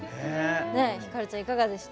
ひかるちゃん、いかがでした？